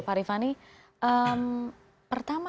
pak rifani pertama